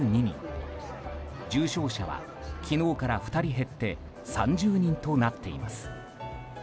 重症者は昨日から２人減って３０人となっています。